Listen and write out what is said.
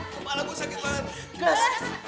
kepala gue sakit banget